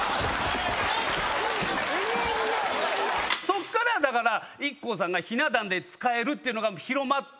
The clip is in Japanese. そっからＩＫＫＯさんがひな壇で使えるって広まって。